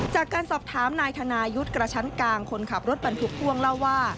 จากการสอบถามนายธนายุทธ์กระชั้นกลางคนขับรถบรรทุกพ่วงเล่าว่า